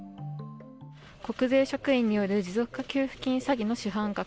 国税職員による持続化給付金詐欺事件の主犯格